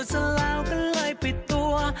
สะล้าวก็เลยปิดตัว